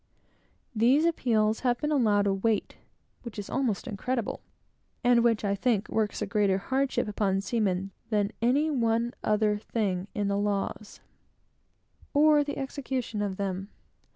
These appeals have been allowed a weight which is almost incredible, and which, I think, works a greater hardship upon seamen than any one other thing in the laws, or the execution of them.